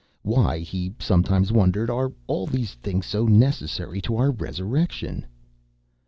Why, he sometimes wondered, are all these things so necessary to our resurrection?